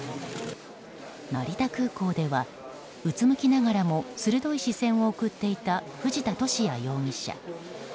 成田空港ではうつむきながらも鋭い視線を送っていた藤田聖也容疑者。